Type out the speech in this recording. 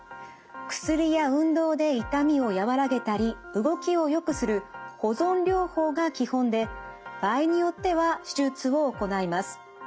薬や運動で痛みを和らげたり動きをよくする保存療法が基本で場合によっては手術を行います。